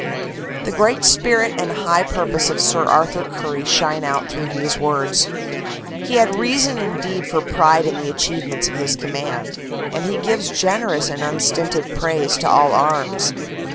The great spirit and high purpose of Sir Arthur Currie shine out through these words. He had reason indeed for pride in the achievements of his command, and he gives gen erous and unstinted praise to all arms.